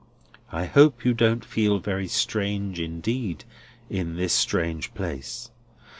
I hope you don't feel very strange indeed, in this strange place."